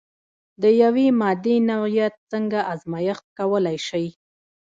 د یوې مادې نوعیت څنګه ازميښت کولی شئ؟